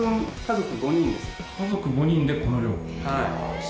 家族５人でこの量⁉はい。